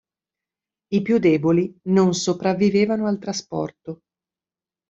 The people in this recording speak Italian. I più deboli non sopravvivevano al trasporto.